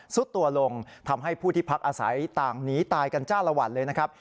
สุดตัวลงทำให้ผู้ที่พักอาศัยต่างหนีตายกันจ้าละวันเลยนะครับ